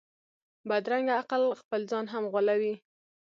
بدرنګه عقل خپل ځان هم غولوي